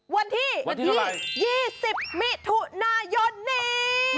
วันที่๒๐มิถูนายนนี่